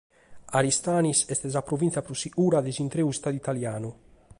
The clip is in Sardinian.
Aristanis est sa provìntzia prus segura de s’intreu Istadu italianu.